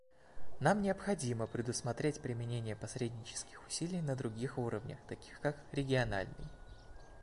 Нам необходимо предусмотреть применение посреднических усилий на других уровнях, таких как региональный.